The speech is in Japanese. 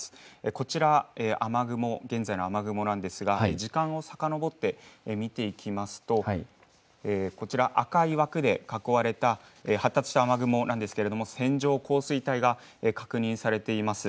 こちらは、雨雲、現在の雨雲なんですが、時間をさかのぼって見ていきますと、こちら、赤い枠で囲われた発達した雨雲なんですけれども、線状降水帯が確認されています。